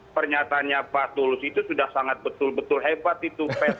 pernyataannya pak tulus itu sudah sangat betul betul hebat itu